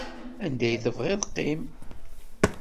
Anda i tebɣiḍ qqim.